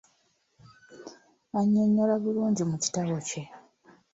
Annyonnyola bulungi mu kitabo kye.